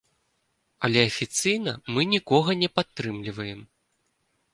Але афіцыйна мы нікога не падтрымліваем.